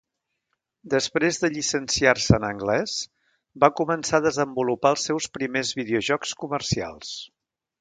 Després de llicenciar-se en anglès, va començar a desenvolupar els seus primers videojocs comercials.